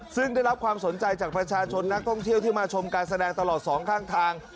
ซึ่งได้รับความสนใจจากประชาชนนักท่องเที่ยวที่มาชมการแสดงตลอดสองข้างทาง